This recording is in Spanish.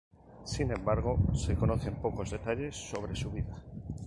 Sin embargo se conocen pocos detalles sobre su vida.